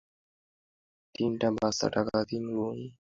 তিনটি বাচ্চা, টাকা তিনগুণ।